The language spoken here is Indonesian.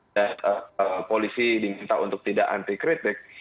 dan polisi diminta untuk tidak antikritik